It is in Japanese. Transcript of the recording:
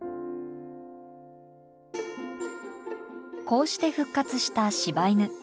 こうして復活した柴犬。